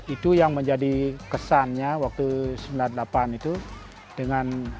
itu yang menjadi kesannya pada tahun seribu sembilan ratus sembilan puluh delapan